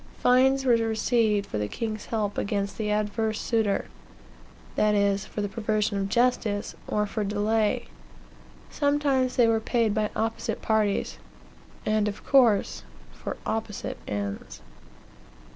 Fines were received for the king's help against the adverse suitor; that is, for perversion of justice, or for delay. Sometimes they were paid by opposite parties, and, of course, for opposite ends."